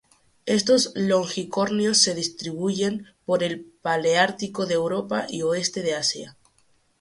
Estos longicornios se distribuyen por el paleártico de Europa y oeste de Asia.